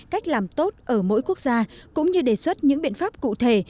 cách làm tốt ở mỗi quốc gia cũng như đề xuất những biện pháp cụ thể